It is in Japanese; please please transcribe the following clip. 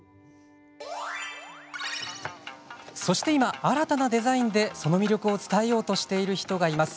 そして今新たなデザインでその魅力を伝えようとしている人がいます。